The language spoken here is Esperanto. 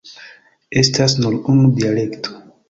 Estas nur unu dialekto.